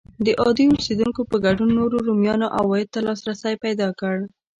د عادي اوسېدونکو په ګډون نورو رومیانو عوایدو ته لاسرسی پیدا کړ.